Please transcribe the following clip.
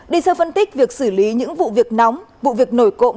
để sơ phân tích việc xử lý những vụ việc nóng vụ việc nổi cộng